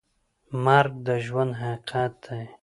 مرګ د ژوند حقیقت دی